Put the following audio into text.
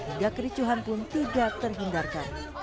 hingga kericuhan pun tidak terhindarkan